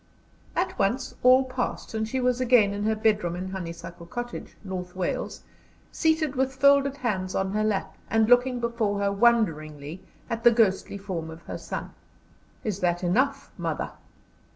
At once all passed; and she was again in her bedroom in Honeysuckle Cottage, North Wales, seated with folded hands on her lap, and looking before her wonderingly at the ghostly form of her son. "Is that enough, mother?"